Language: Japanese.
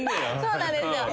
そうなんですよ。